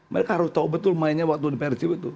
mereka harus tahu betul mainnya waktu di persib itu